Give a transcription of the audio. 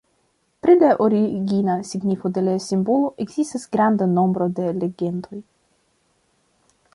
Pri la "origina" signifo de la simbolo ekzistas granda nombro da legendoj.